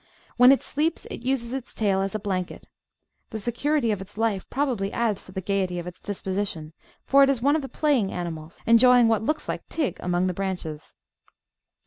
When it sleeps it uses its tail as a blanket. The security of its life probably adds to the gaiety of its disposition, for it is one of the playing animals, enjoying what looks like 'tig" among the branches.